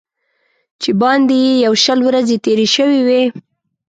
چې باندې یې یو شل ورځې تېرې شوې وې.